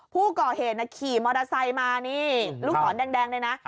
ผู้ก่อเหตุขี่มอเตอร์ไซค์มานี่ลูกศรแดงเลยนะ